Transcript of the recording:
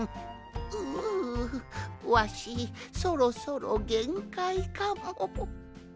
うううわしそろそろげんかいかも。